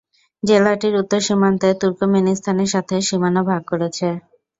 জেলাটির উত্তরে সীমান্তে তুর্কমেনিস্তানের সাথে সীমানা ভাগ করেছে।